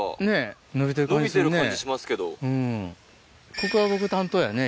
ここは僕担当やね